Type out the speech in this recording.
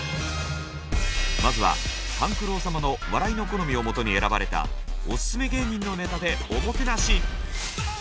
まずは勘九郎様の笑いの好みをもとに選ばれたオススメ芸人のネタでおもてなし。